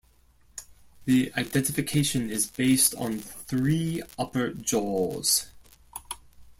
The identification is based on three upper jaws.